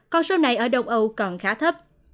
còn số này ở đông âu còn khá thấp